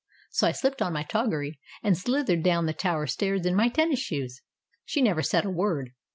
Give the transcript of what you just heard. So I slipped on my toggery and slithered down the tower stairs in my tennis shoes. She never said a word.